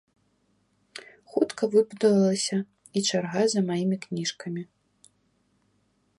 Хутка выбудавалася і чарга за маімі кніжкамі.